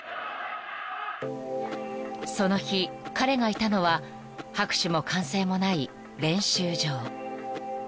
［その日彼がいたのは拍手も歓声もない練習場］